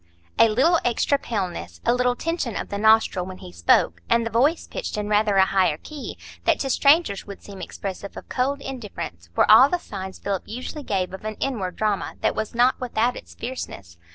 A little extra paleness, a little tension of the nostril when he spoke, and the voice pitched in rather a higher key, that to strangers would seem expressive of cold indifference, were all the signs Philip usually gave of an inward drama that was not without its fierceness.